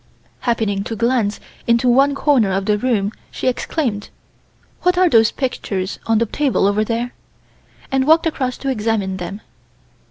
Happening to glance into one corner of the room she exclaimed: "What are those pictures on the table over there," and walked across to examine them.